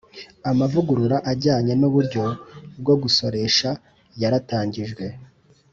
amavugurura yajyanye n'uburyo bwo gusoresha yaratangijwe,